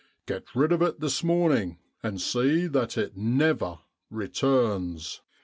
" Get rid of it this morning, and see that it never returns !